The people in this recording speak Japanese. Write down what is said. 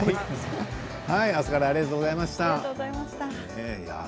朝からありがとうございました。